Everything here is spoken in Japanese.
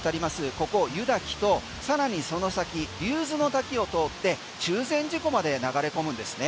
ここ湯滝と、さらにその先竜頭の滝を通って中禅寺湖まで流れ込むんですね。